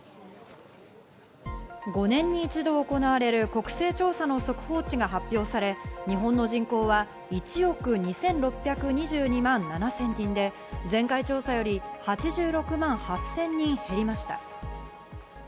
５年に一度行われる国勢調査の速報値が発表され、日本の人口は１億２６２２万７０００人で、前回調査より８６万８０００人減りました。